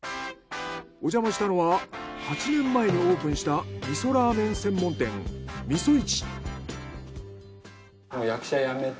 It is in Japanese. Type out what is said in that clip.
おじゃましたのは８年前にオープンした味噌ラーメン専門店味噌一。